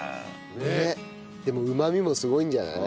でもうまみもすごいんじゃない？